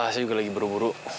saya juga lagi buru buru